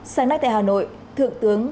sáng nay tại hà nội thượng tướng